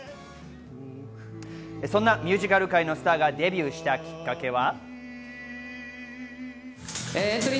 そんなミュージカル界のスターがデビューしたきっかけは。